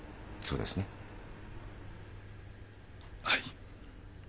はい。